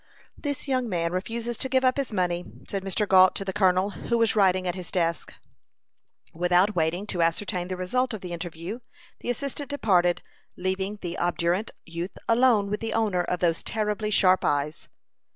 "This young man refuses to give up his money," said Mr. Gault to the colonel, who was writing at his desk. Without waiting to ascertain the result of the interview, the assistant departed, leaving the obdurate youth alone with the owner of those terribly sharp eyes.